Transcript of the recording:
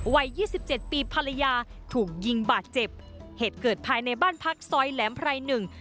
ยี่สิบเจ็ดปีภรรยาถูกยิงบาดเจ็บเหตุเกิดภายในบ้านพักซอยแหลมไพรหนึ่ง